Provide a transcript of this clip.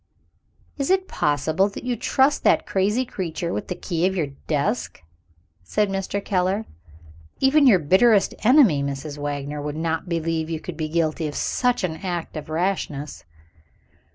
"Is it possible that you trust that crazy creature with the key of your desk?" said Mr. Keller. "Even your bitterest enemy, Mrs. Wagner, would not believe you could be guilty of such an act of rashness."